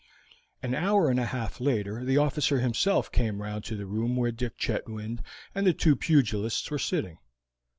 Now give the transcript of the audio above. An hour and a half later the officer himself came round to the room where Dick Chetwynd and the two pugilists were sitting.